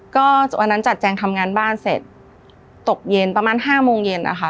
ก็วันนั้นจัดแจงทำงานบ้านเสร็จตกเย็นประมาณ๕โมงเย็นนะคะ